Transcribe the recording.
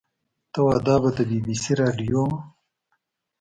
ته وا دا به د بي بي سي راډيو وه.